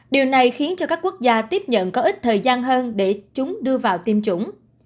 điều này khiến cho các quốc gia tiếp nhận có ít thời gian hơn để chúng đưa vào tiêm chủng